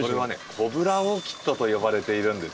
“コブラオーキッド”と呼ばれているんです。